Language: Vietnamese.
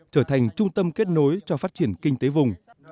trở thành trung tâm kết nối cho phát triển kinh tế vùng